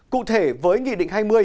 cụ thể với nghị định hai mươi